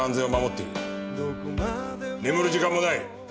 眠る時間もない。